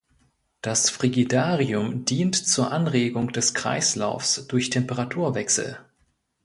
Das Frigidarium dient zur Anregung des Kreislaufs durch Temperaturwechsel.